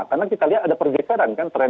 karena kita lihat ada pergeseran kan